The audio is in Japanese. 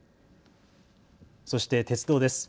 そして鉄道です。